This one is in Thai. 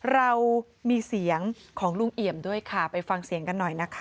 เรามีเสียงของลุงเอี่ยมด้วยค่ะไปฟังเสียงกันหน่อยนะคะ